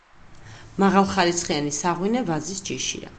მაღალხარისხიანი საღვინე ვაზის ჯიშია.